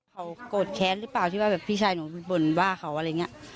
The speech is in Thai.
เขาโกรธแค้นหรือเปล่าที่ว่าแบบพี่ชายหนูไปบ่นว่าเขาอะไรอย่างนี้